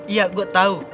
iya gue tau